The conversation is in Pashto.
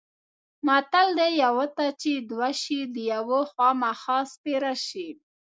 متل دی: یوه ته چې دوه شي د یوه خوامخا سپېره شي.